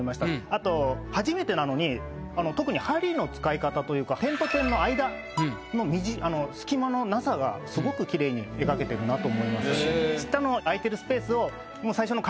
あと初めてなのに特に針の使い方というか点と点の間の隙間のなさがすごく綺麗に描けてるなと思います。